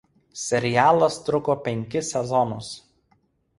Serialas truko penkis sezonus.